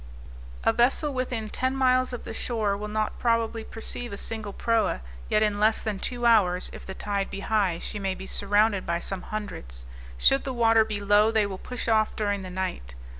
A vessel within ten miles of the shore will not probably perceive a single proa, yet in less than two hours, if the tide be high, she may be surrounded by some hundreds. Should the water be low they will push off during the night.